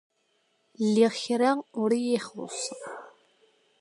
Lliɣ kra ur y-ixuṣṣ.